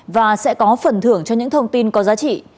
và sẽ có phần thưởng cho những thông tin có giá trị